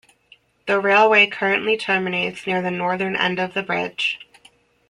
The railway currently terminates near the northern end of the bridge.